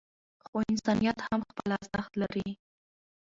خو انسانیت هم ارزښت لري.